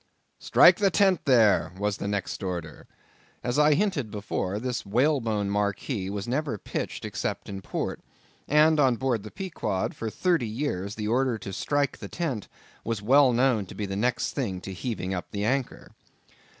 "Strike the tent there!"—was the next order. As I hinted before, this whalebone marquee was never pitched except in port; and on board the Pequod, for thirty years, the order to strike the tent was well known to be the next thing to heaving up the anchor.